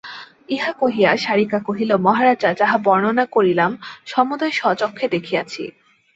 ইহা কহিয়া শারিকা কহিল মহারাজ যাহা বর্ণনা করিলাম সমুদয় স্বচক্ষে দেখিয়াছি।